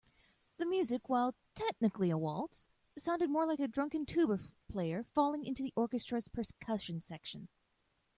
The music, while technically a waltz, sounded more like a drunken tuba player falling into the orchestra's percussion section.